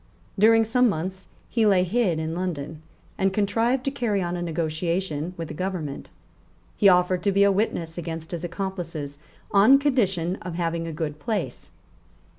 During some months, he lay hid in London, and contrived to carry on a negotiation with the government. He offered to be a witness against his accomplices on condition of having a good place.